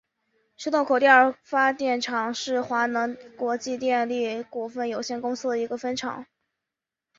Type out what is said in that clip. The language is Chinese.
石洞口第二发电厂是华能国际电力股份有限公司的一个分厂。